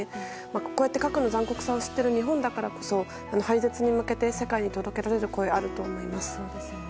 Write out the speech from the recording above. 格の残酷さを知っている日本だからこそ廃絶に向けて世界に届けられる声があると思います。